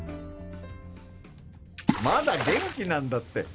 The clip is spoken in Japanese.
まだ元気なんだって。